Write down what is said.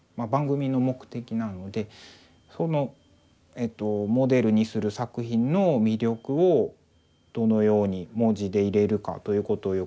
そのえっとモデルにする作品の魅力をどのように文字で入れるかということをよく考えます。